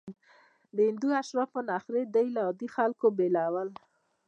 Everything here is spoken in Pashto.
د هندو اشرافو نخرې دوی له عادي خلکو بېلول.